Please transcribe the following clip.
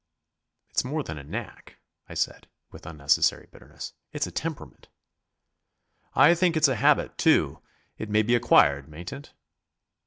"It's more than a knack," I said, with unnecessary bitterness. "It's a temperament." "I think it's a habit, too. It may be acquired, mayn't it?"